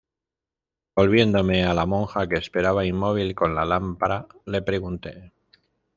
volviéndome a la monja, que esperaba inmóvil con la lámpara, le pregunté: